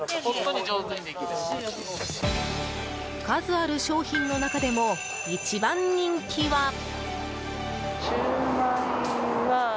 数ある商品の中でも一番人気は。